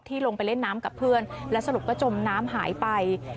ลงไปเล่นน้ำกับเพื่อนและสรุปก็จมน้ำหายไป